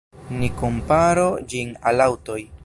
Ni komparu ĝin al aŭtoj.